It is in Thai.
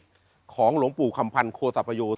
ตรงหลงปู่คำพันธุ์โครสัปโยธ